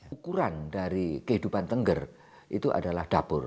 ukuran dari kehidupan tengger itu adalah dapur